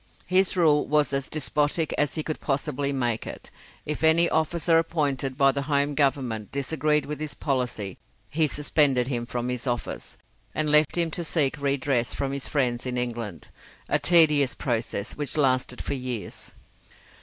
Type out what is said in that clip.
His rule was as despotic as he could possibly make it. If any officer appointed by the Home Government disagreed with his policy he suspended him from his office, and left him to seek redress from his friends in England a tedious process, which lasted for years.